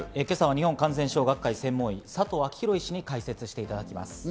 今朝は日本感染症学会専門医の佐藤昭裕医師に解説していただきます。